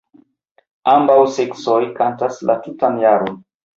Ambaŭ seksoj kantas la tutan jaron.